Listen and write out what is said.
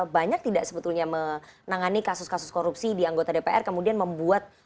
banyak tidak sebetulnya menangani kasus kasus korupsi di anggota dpr kemudian membuat